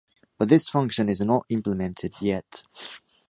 But this function is not implemented yet.